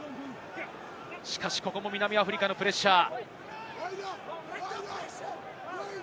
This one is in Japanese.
しかし、ここも南アフリカのプレッシャー。